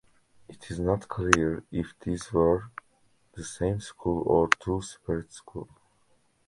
It is not clear if these were the same school or two separate schools.